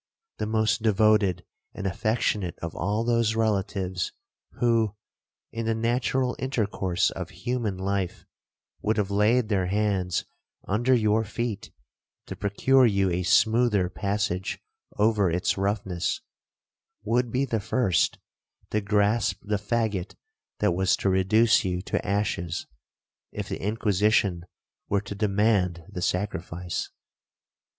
The most devoted and affectionate of all those relatives, who, in the natural intercourse of human life, would have laid their hands under your feet to procure you a smoother passage over its roughnesses, would be the first to grasp the faggot that was to reduce you to ashes, if the Inquisition were to demand the sacrifice.